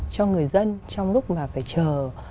cho người dân trong lúc mà phải chờ